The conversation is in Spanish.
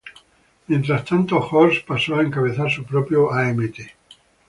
Mientras tanto, Horst pasó a encabezar su propio "Amt".